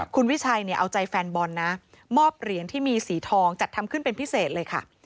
คุณวิชัยเนี่ยเอาใจแฟนบอลนะมอบเหรียญที่มีสีทองจัดทำขึ้นเป็นพิเศษเลยค่ะ